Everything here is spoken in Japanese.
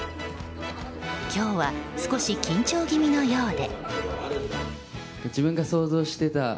今日は少し緊張気味のようで。